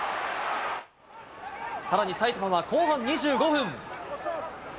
さらに埼玉は後半２５分。